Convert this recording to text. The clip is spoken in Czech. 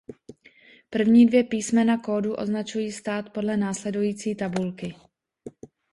První dvě písmena kódu označují stát podle následující tabulky.